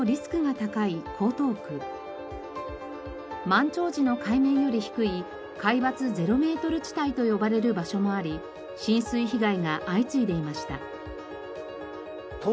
満潮時の海面より低い海抜ゼロメートル地帯と呼ばれる場所もあり浸水被害が相次いでいました。